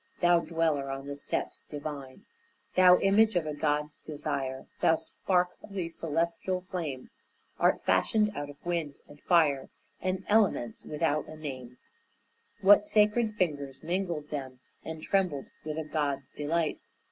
Thou dweller on the steps divine, Thou image of a god's desire, Thou spark of the celestial flame Art fashioned out of wind and fire And elements without a name; What sacred fingers mingled them And trembled with a god's delight?